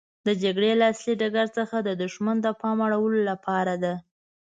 د جګړې له اصلي ډګر څخه د دښمن د پام اړولو لپاره ده.